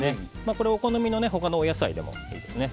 これ、お好みの他のお野菜でもいいですね。